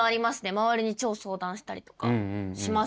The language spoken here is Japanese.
周りに超相談したりとかしますね。